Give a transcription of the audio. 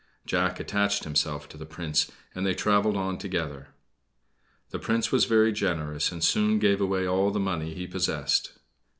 Jack attached himself to the Prince, and they traveled on together. The Prince was very generous, and soon gave away all the money he possessed.